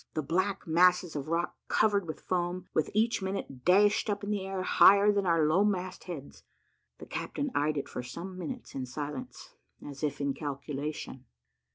the black masses of rock covered with foam, which each minute dashed up in the air higher than our lower mast heads. The captain eyed it for some minutes in silence, as if in calculation.